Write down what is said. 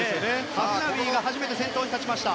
ハフナウイが初めて先頭に立ちました。